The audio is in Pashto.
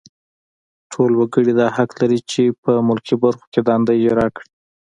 ټول وګړي دا حق لري چې په ملکي برخو کې دنده اجرا کړي.